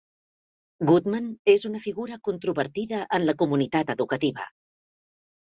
Goodman és una figura controvertida en la comunitat educativa.